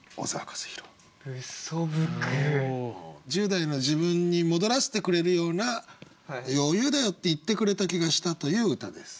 １０代の自分に戻らせてくれるような「余裕だよ」って言ってくれた気がしたという歌です。